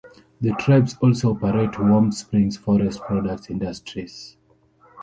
The tribes also operate Warm Springs Forest Products Industries.